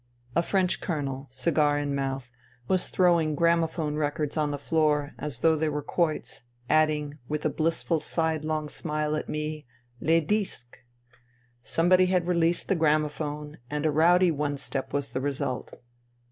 A French Colonel, cigar in mouth, was throwing gramophone records on the floor, as though they were quoits, adding, with a blissful side long smile at me, " Les disques !" Some body had released the gramophone, and a rowdy one step was the result.